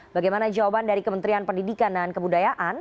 bagaimana jawaban dari kementerian pendidikan dan kebudayaan